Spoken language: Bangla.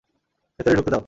ভেতরে ঢুকতে দাও!